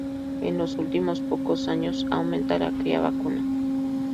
En los últimos pocos años aumenta la cría vacuna.